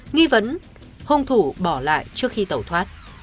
nghi vấn hôn thủ bỏ lại trước khi tẩu thoát